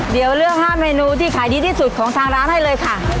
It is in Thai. เดี๋ยวเลือก๕เมนูที่ขายดีที่สุดของทางร้านให้เลยค่ะ